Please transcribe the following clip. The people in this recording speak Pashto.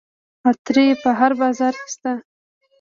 عطاري په هر بازار کې شته.